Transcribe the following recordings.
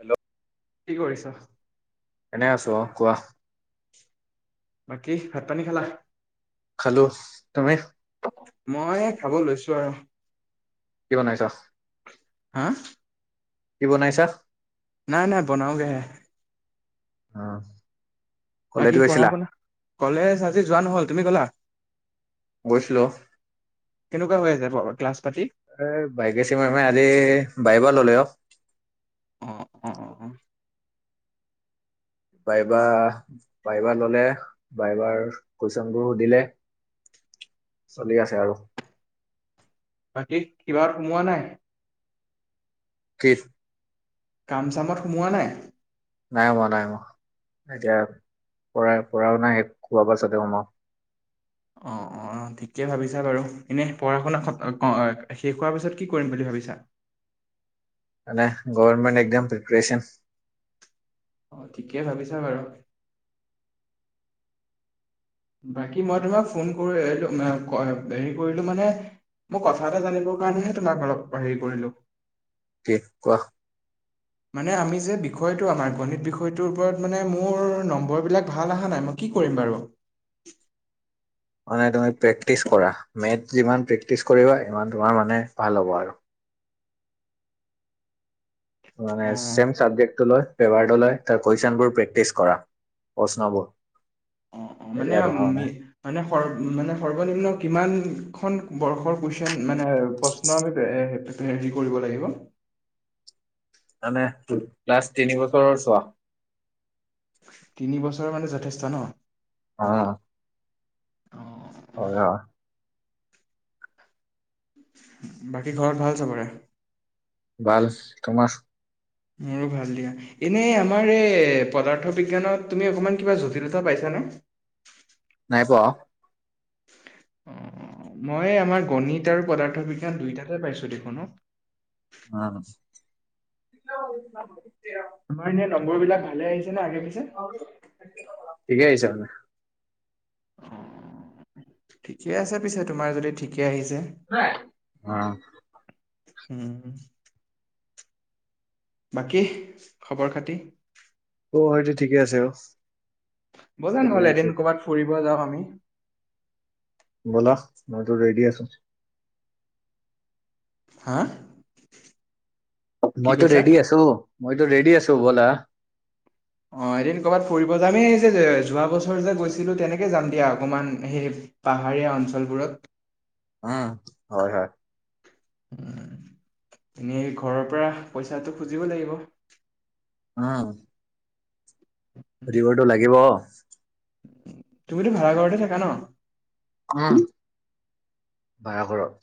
Hello কি কৰিছা। এনে আছো অ', কোৱা। বাকী ভাত পানী খালা। খালো তুমি। মই খাব লৈছো আৰু। কি, বনাইছা। হা। কি, বনাইছা। নাই, নাই বনাও গে হে [unintelligible] কলেজ বাকী পঢ়া গৈছিলা শুনা কলেজ আজি যোৱা নহল তুমি গলা। গৈছিলো। কেনেকুৱা হৈ আছে বাৰ ক্লাছ পাতি। এ ভাগ্যশ্ৰী মেমে আজি ভাইভা ললে অ', অ', অ', অ', অ',। ভাইভা, ভাইভা ললে ভাইভাৰ কুৱেচনবোৰ সুধিলে। চলি আছে আৰু। বাকী কিবা সোমোৱা নাই। কি? কাম চামত সোমোৱা নাই। নাই হুমা, নাই হুমা। এতিয়া পঢ়া পঢ়াও নাই সেই খোৱা পাছতে সোমাম। অ', অ', অ ঠিকেইে ভাবিছা বাৰু এনেই পঢ়া শুনা শেষ হোৱাৰ পিছত কি কৰিম বুলি ভাবি বিছা। মানে গভমেণ্ট এক্ক্সাম প্ৰিপাৰেচন। অ', ঠিকেই ভাবিছা বাৰু। বাকী মই তোমাক ফোন কৰিল হেৰি কৰিলো মানে মোৰ কথা এটা জানিবৰ কাৰণেহে তোমাক অলপ হেৰি কৰিলো কি কোৱা মানে আমি যে বিষয় আমাৰ গণিত বিষয় মে মোৰ নম্বৰ বিলাক ভাল অহা নাই ম কি কৰিম বাৰু [unintelligible] মানে তুমি প্ৰেক্টিছ কৰা মেটছ যিমান প্ৰেক্টিচ কৰিবা ইমান তোমাৰ মানে ভাল হ'ব আৰু মানে অ' ছেম চাবজেক্টটো লয় পেপাৰটো লৈ কুৱেশ্যন বোৰ প্ৰেক্টিচ কৰা প্ৰশ্নবোৰ অ অ মানে এতিয়া তোমাৰ মানে স মানে সৰ্বনিম্ন কিমানখন বৰ্ষৰ কুৱেশ্যন মানে প্ৰশ্ন আমি কৰিব লাগিব [unintelligible] মানে লাষ্ট তিনি বছৰৰ চোৱা তিনি বছৰ মানে যথেষ্ট ন অ অ' হয় বাকী ঘৰত ভাল চাবৰে ভাল তোমাৰ মোৰো ভাল দিয়া এনে আমাৰ এই পদাৰ্থ বিজ্ঞানত তুমি অকমান কিবা জটিলতা পাইছা ন ন ন নাই পোৱা অ মই আমাৰ গণিত আৰু পদাৰ্থ বিজ্ঞান দুইটাতে পাইছো দেখোনক উ আমাৰ এনে নম্বৰ বিলাক ভালে আহিছে ন আগে পিছে হয় ঠিকে আছে পিছে তোমাৰ যদি ঠিকে আহিছে আহ উম বাকী খবৰ খাতি অ সটো ঠিকে আছে অ ব'লা নহ'ল এদিন ক'ৰবাত ফুৰিব যাওঁ আমি ব'লা মইতো ৰেডি আছো হা কি মইতো কৈছা? ৰেডি আছো মইতো ৰেডী আছো ব'লা অ এদিন ক'ৰবাত ফুৰিব যামেই যে যোৱা বছৰ যে গৈছিলো তেনেকে যাম দিয়া অকণমান সেই পাহাৰীয়া অঞ্চলবোৰত উম হয় হয় এনেই ঘৰৰ পৰা পইচাটো খুজিব লাগিব বটো লাগিব তুমিত ভাড়া ঘৰতে থাকা ন অ ভ়ঘৰত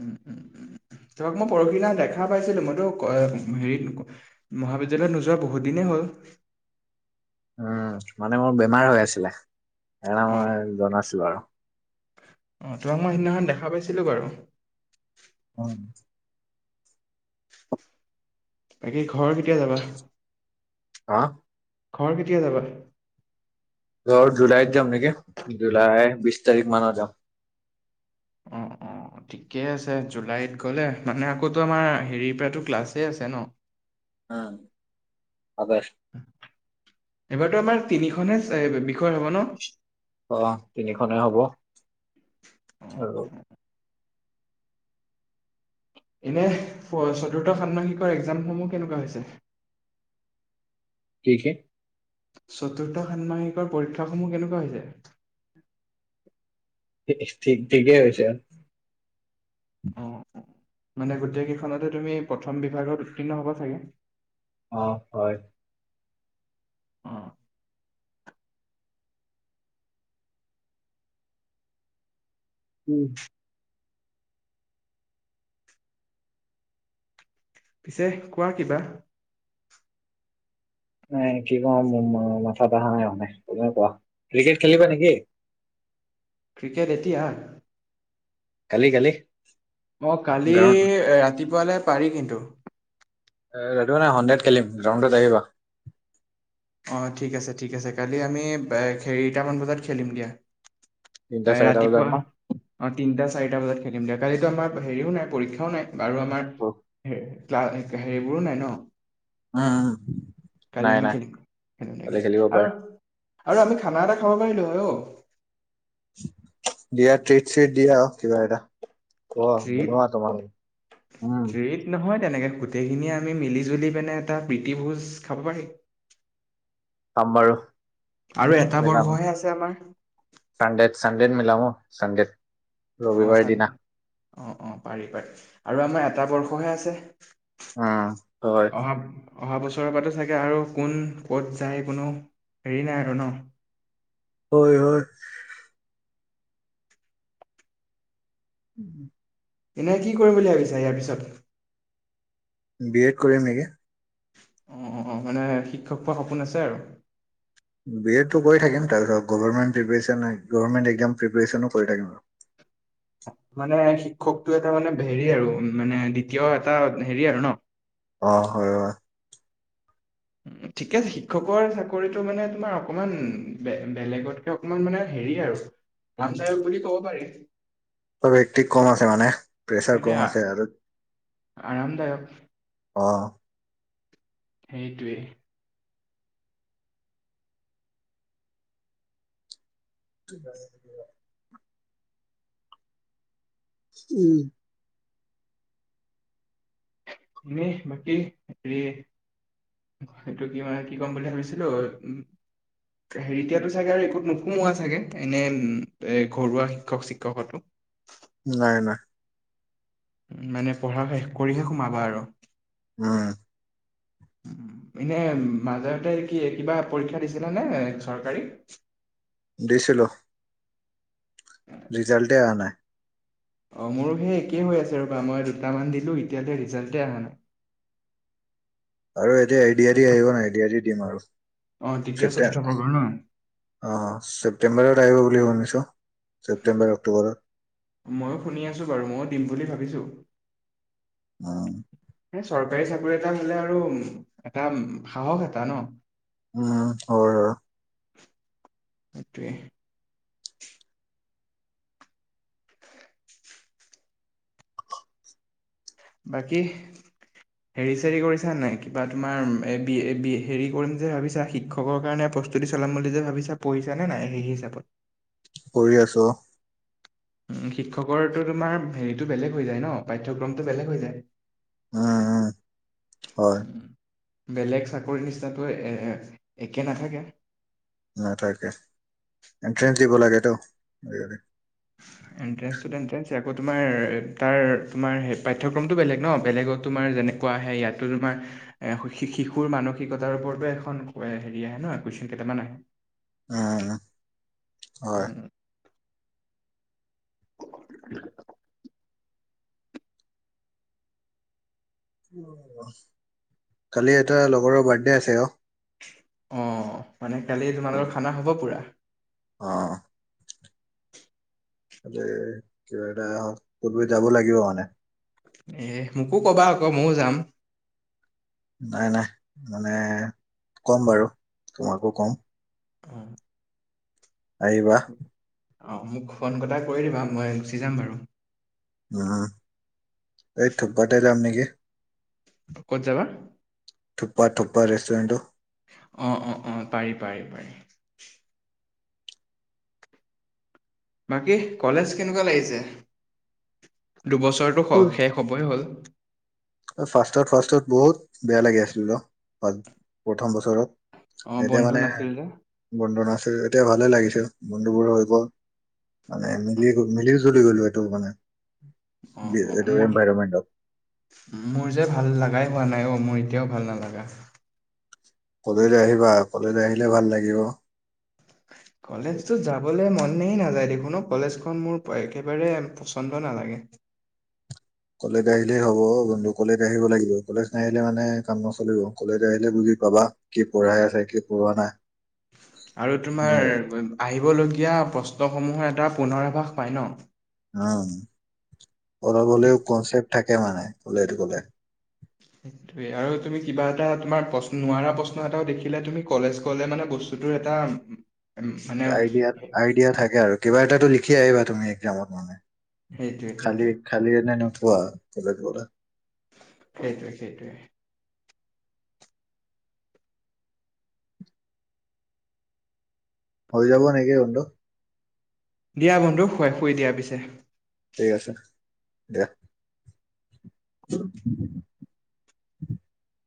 উম উম তবাক মই পৰহিনা দেখা পাইছিলো মইতো হেৰিত মহাবিদ্্যালয়ত নোযোৱা বহুত দিনে হয় উম মানে মোৰ বেমাৰ হৈ আছিলে সেই অ'। মই জনাছিলো আৰু অ তোমাক মই সেইদিনাখন দেখা পাইছিলোঁ বাৰু অ বাকী ঘৰ কেতিয়া যাবা হা? ঘৰ কেতিয়া যাবা? ঘৰ জুলাইত যাম নেকি জুলাই বিশ তাৰিখ মানৰ যাম। অ অ ঠিকেই আছে জুলাইত গ'লে মানে আকৌো আমাৰ হেৰিৰ পৰাতো ক্লাছে আছে ন। উম আগষ্ট। হয়তো আমাৰ তিনিখনে বিখ্যা- আহ তিনিখনেই হব অ, আৰু। এনে ফৰ চতুৰ্থ ষানাসিকৰ এক্জাম সমূহ কেনেকুৱা হৈছে? ঠিকে। চতুৰ্থ ষান্মাসিকৰ পৰীক্ষাসমূহ কেনেকুৱা হৈছে? ঠিক ঠিকেই হৈছে আৰু। অ মানে গোটেই কেইখনতে তুমি প্ৰথম বিভাগত উত্তীৰ্ণ হ'বা চাগে। অ হয়। আহ। উম। পিছে কোৱা কিবা। নাই কি কম মাথাত আহা নাই মানে তুমিয়ে কোৱা ক্ৰিকেট খেলিবা নেকি? ক্ৰিকেট এতিয়া। কালি কালি মই কালি গ্ৰাউণ্ড ৰাতিপুৱালৈ পাৰি কিন্তু। এইটো মানে হণ্ড্ৰেড খেলিম ৰা্ৰউণ্ডত আহিবা। অ ঠিক আছে ঠিক আছে কালি আমি হেৰিটামান বজাত খেলিম দিয়া। তিনিটা এ চাৰিটা বজাত ৰাতিপুৱা ন অ তিনটা চাৰিটা বজাত খেলিম দিয়া কালিতো আমাৰ হেৰিও নাই পৰীক্ষা ও নাই বাৰু আমাৰ উম উম ক্লা হেৰিবোৰো নাই ন। কালি নাই আমি নাই খেলিম খেলো দে কালি খেলিব পাৰিম আৰু। আৰু আমি খানা এটা খাব পাৰিলো অ। দিয়া ট্ৰিট চিট দিয়া কিবা এটা। অ ট্ৰিট বনোৱা তোমালোকে উম। ট্ৰিট নহয় তেনেকে গোটেই খিনিয়ে আমি মিলি জুলি পেনে এটা প্ৰীতি ভোজ খাব পাৰি। উম বাৰু। আৰু এটা মিলাম বৰ্ষহে আছে আমাৰ। চানডেত চানডেত মিলাম অ চানডেত অ ৰবিবাৰ চান দিনা। অ অ পাৰি পাৰি আৰু আমাৰ এটা বৰ্ষহে আছে। অ হয়। অহা অহা বছৰৰ পৰাো চাগে আৰু কোন ক'ত যায় কোনো হেৰি নাই আৰু ন। হয় হয়। উম। এনেই কি কৰিম বুলি ভাবিছা ইয়াৰ পিছত? বি এড কৰি ম নেকি? অ অ অ মানে শিক্ষক হোৱাৰ সপোন আছে আৰু। বি এডটো কৰি থাকিম তাৰপিছত গভমেণ্ট প্ৰিপেচন গভৰ্মেণ্ট এক্জাম প্ৰিপেৰেশ্যনো কৰি থাকিম আৰু। মানে শিক্ষকটো এটা মানে হেৰি আৰু মানে দ্বিতীয় এটা হেৰি আৰু ন। অ হয় হয়। ঠিকেছে শিক্ষকৰ চাকৰিতটো মানে তোমাৰ অকমান বেলেগতকে অকমান মানে হেৰি আৰু মানচাই বুলি ক'ব পাৰি। হেকটিক কম আছে মানে প্ৰেছাৰ সেইটোৱে কম আ- আছে আৰু। আৰামদায়ক অ। সেইটোৱেই। [unintelligible] উম। এনেই বাকি হেৰি। সেইটো কি মানে কি ক'ম বুলি ভাবিছিলো? হেৰিতিয়াতো চাগে আৰু একোত নোসোমোৱা চাগে এনে এ ঘৰুৱা শিক্ষক-চিক্ষকতো? নাই নাই মানে পঢ়া শেষ কৰিহে সোমাবা আৰু। উম। পিনে মাজতে কি কিবা পৰীক্ষা দিছিলা নে চৰকাৰী? দিছিলোঁ। ৰিজাল্টে আহা নাই। অ', মোৰো সেই একেই হৈ আছে ৰ'বা, মই দুটামান দিলো এতিয়ালৈ ৰিজাল্টেই আহা নাই। আৰু এতিয়া এইডিয়াদি আহিব ন, এইডিয়াদি দিম আৰু। অ তৃতীয় চতুৰ্থ ছেপ্তেম্ব, বৰ্গৰ ন অ', ছেপ্তেম্বৰত আহিব বুলি শুনিছো, ছেপ্টেম্বৰ, অক্টোবৰত। ময়ো শুনি আছোঁ বাৰু, ময়ো দিম বুলি ভাবিছোঁ। অহ। এ চৰকাৰী চাকৰি এটা হ'লে আৰু এটা সাহস এটা ন? উম, হয় হয়। সেইটোৱে। বাকীহ হেৰি চেৰি কৰিছা নাই, কিবা তুমাৰ এ-বি-এ-বি হেৰি কৰিম যে ভাবিছা শিক্ষকৰ কাৰণে প্ৰস্তুতি চলাম বুলি যে ভাবিছা, পহিছা নে নাই সেই হিচাপত? কৰি আছো উম, শিক্ষকৰটো তোমাৰ হেৰিটো বেলেগ হৈ যায় ন, পাঠ্যক্ৰমটো বেলেগ হৈ যায়। উম, উম, হয়। উম, বেলেগ চাকৰিৰ নিচিনাটো এ-এ-একে নাথাকে। নথাকে, এণ্ট্ৰেঞ্চ দিব লাগেতো সেইবাবে। এণ্ট্ৰেঞ্চটোত এণ্ট্ৰেঞ্চে আকৌ তোমাৰ তাৰ তোমাৰ সেই পাঠ্যক্ৰমটো বেলেগ ন, বেলেগত তোমাৰ যেনে কোৱা আহে, ইয়াতটো তোমাৰ এ শি-শিশুৰ মানসিকতাৰ ওপৰতো এখন হেৰি আহে ন, কুৱেছন পেপ জানা নাই। উম, হয়। উম, কালি এটা লগৰৰ বাৰ্থডে আছে অ'। অ', মানে কালি তোমালোকৰ খানা হ'ব পুৰা। অ'। তাতে কিবা এটা কৰি যাব লাগিব মানে। এ মোকো কবা আকৌ ময়ও যাম। নাই নাই, মানে কম বাৰু তোমাকো কম। উম। আহিবা। অ', মোক ফোন কটা কৰি দিবা মই গুচি যাম বাৰু। উম, এই থুকপাতে যাম নেকি? ক'ত যাবা? পা, থুপ্পা ৰেষ্টুৰেণ্টটো। অ', অ', অ', পাৰি, পাৰি, পাৰি। বাকী কলেজ কেনেকুৱা লাগিছে? দুবছৰটো শ-শেষ হ'বই হ'ল। ফাৰ্ষ্টত ফাৰ্ষ্টত বহুত বেয়া লাগি আছিলো, বাট প্ৰথম বছৰত অ তেতিয়া বন্ধু মানে নাছিল যে বন্ধু নাছিল, এতিয়া ভালে লাগিছে বন্ধুবোৰো হৈ গ'ল। মানে মিলি গ, মিলি-জুলি গ'লো এইটো মানে। অ বি, অ এইটো মোৰ এনভাইৰমেণ্টত। মোৰ যে ভাল লাগাই হোৱা নাই অ', মোৰ এতিয়াও ভাল নালাগা। কলেজ আহিবা, কলেজ আহিলে ভাল লাগিব। কলেজতো যাবলে মন নেই নাযায় দেখোন ন কলেজখন মোৰ একেবাৰে পচন্দ নালাগে। কলেজ আহিলে হব বন্ধু, কলেজ আহিব লাগিব, কলেজ ন আহিলে মানে কাম নচলিব কলেজ আহিলে বুজ পাবা কি পঢ়াই আছে কি পঢ়োৱা নাই আৰু তোমাৰ হয়। আহিবলগীয়া প্ৰশ্নসমূহৰ এটা পুনৰাভাস পায় ন? উম অলপ হলেও কনচেপ্ট থাকে মানে কলে এইটোকলে সেইটোয়ে আৰু তুমি কিবা এটা তোমাৰ প্ৰশ্ন নোৱাৰা প্ৰশ্ন এটাও দেখিলে তুমি কলেজ কলে মানে বস্তু [unintelligible] আইডিয়া, আইডিয়া থাকে আৰু। কিবা এটাটো লিখি আহিবা তুমি একজামত মানে। সেইটোৱে সেইটোৱে খালী-খালী এনে নঠোৱা [unintelligible] সেইটোৱে, সেইটোৱে। হৈ যাব নেকি বন্ধু? দিয়া বন্ধু শুৱাই, শুই দিয়া পিছে। ঠিক আছে, দিয়া। [inaudible]